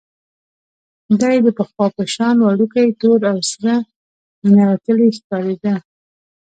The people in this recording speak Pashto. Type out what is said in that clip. دی د پخوا په شان وړوکی، تور او سره ننوتلی ښکارېده.